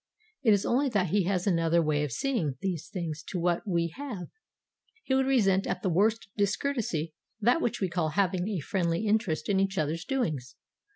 It is only that he has another way of seeing these things to what we have. He would resent as the worst discourtesy that which we call having a friendly interest in each other's doings.